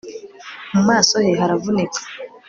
mu maso he haravunika